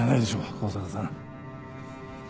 香坂さん。